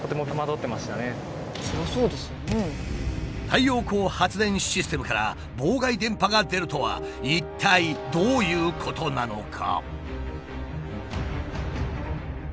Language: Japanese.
太陽光発電システムから妨害電波が出るとは一体どういうことなのか？